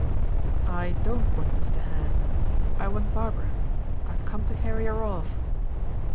"I don't want Mr. Hare; I want Barbara. I have come to carry her off."